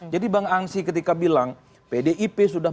jadi bang angsi ketika bilang pdip sudah